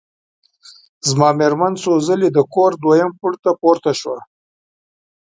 زما مېرمن څو ځلي د کور دویم پوړ ته پورته شوه.